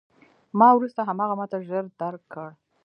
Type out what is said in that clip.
ما وروسته هماغه متن ژر درک کړ.